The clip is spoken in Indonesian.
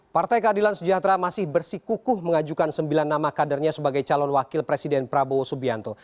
partai keadilan sejahtera masih bersikukuh mengajukan sembilan nama kadernya sebagai calon wakil presiden prabowo subianto